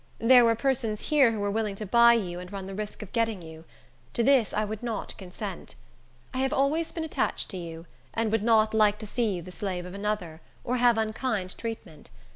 There were persons here who were willing to buy you and run the risk of getting you. To this I would not consent. I have always been attached to you, and would not like to see you the slave of another, or have unkind treatment.